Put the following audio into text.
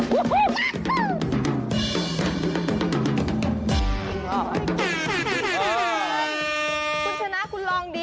คุณชนะคุณลองดี